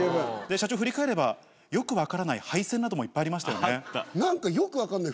社長、振り返れば、よく分からない配線などもいっぱいありましたよね。